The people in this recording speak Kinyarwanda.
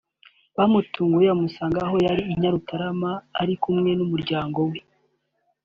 bamutunguye bamusanga aho yari i Nyarutarama ari kumwe n’umuryango we